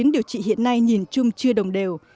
điều trị hiện nay nhìn chung chưa đồng đều